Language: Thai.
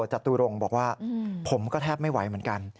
จตุรงค์บอกว่าผมก็แทบไม่ไหวเหมือนกัน